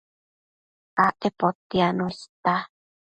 Acte potiacno ista